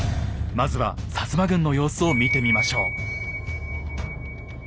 まずは摩軍の様子を見てみましょう。